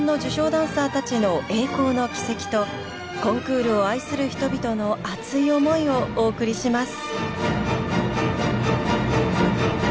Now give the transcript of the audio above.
ダンサーたちの栄光の軌跡とコンクールを愛する人々の熱い思いをお送りします。